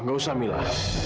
enggak usah mila